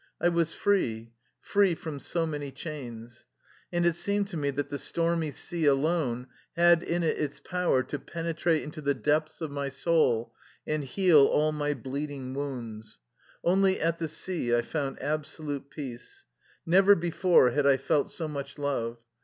I was free, free from so many chains. And it seemed to me that the stormy sea alone had it in its power to pen etrate into the depths of my soul and heal all my bleeding wounds. Only at the sea I found ab solute peace. Never before had I felt so much love.